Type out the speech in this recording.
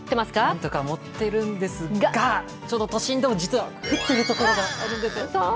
なんとかもってるんですがちょっと都心でも実は降ってる所があるんですよ。